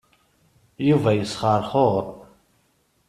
Yuba yesxeṛxuṛ.